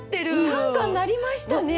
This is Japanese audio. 短歌になりましたね。